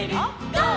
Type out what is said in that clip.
ゴー！」